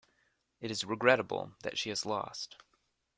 It is regrettable that she has lost.